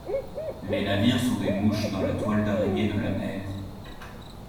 Les navires sont des mouches dans la toile d’araignée de la mer.